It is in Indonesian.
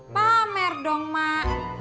pamer dong mak